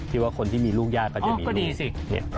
ที่ว่าคนที่มีลูกญาติก็จะมีลูก